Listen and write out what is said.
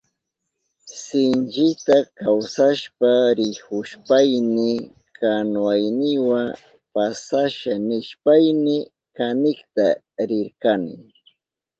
Sinchita kawishpa rihushpayni kanuwayniwa pasasha nishpayni kanikta rirkani.